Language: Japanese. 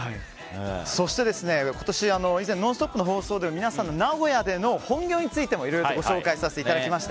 そして以前「ノンストップ！」の放送で皆さんの名古屋での本業についてもいろいろご紹介させていただきました。